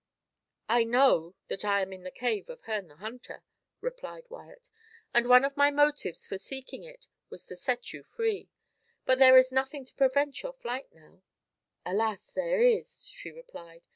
"I know that I am in the cave of Herne the Hunter," replied Wyat; "and one of my motives for seeking it was to set you free. But there is nothing to prevent your flight now." "Alas! there is," she replied.